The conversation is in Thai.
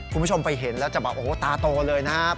คุณผู้ชมไปเห็นแล้วจะแบบโอ้โหตาโตเลยนะครับ